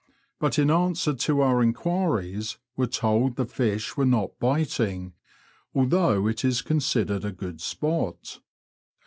but in answer to our enquiries were told the fish were not biting, although it is considered a good spot.